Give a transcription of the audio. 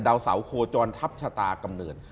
เดาเสาโคจรทับชะตากำเนิน